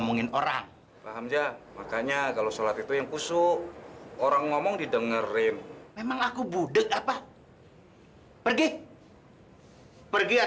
mungkin saya gak akan berani bawa kamu ke sini